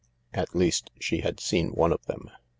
At least, she had seen one of them.